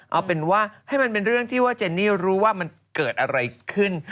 เอาเป็นว่าให้มันเป็นเรื่องที่ว่าเจนนี่รู้ว่ามันเกิดอะไรขึ้น